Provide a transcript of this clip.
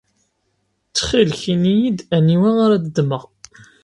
Ttxil-k ini-yi-d aniwa ara d-ddmeɣ.